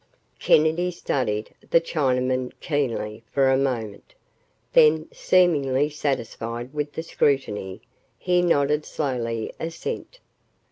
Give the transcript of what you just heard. Kennedy studied the Chinaman keenly for a moment. Then, seemingly satisfied with the scrutiny, he nodded slowly assent.